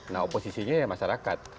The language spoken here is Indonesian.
nah oposisinya ya masyarakat